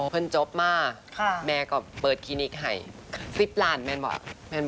อ๋อเพื่อนจบมาแม่ก็เปิดคลินิกให้๑๐ล้านแม่นบอกเอ่ย